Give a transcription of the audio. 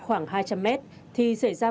khoảng hai trăm linh m thì xảy ra vụ tai nạn